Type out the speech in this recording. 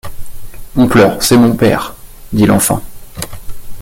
On pleure, c’est mon père, dit l’enfant.